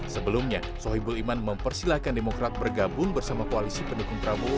sebelumnya sohibul iman mempersilahkan demokrat bergabung bersama koalisi pendukung prabowo